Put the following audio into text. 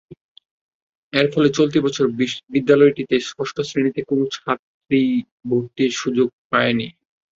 এরই ফলে চলতি বছর বিদ্যালয়টিতে ষষ্ঠ শ্রেণিতে কোনো ছাত্রী ভর্তির সুযোগ পায়নি।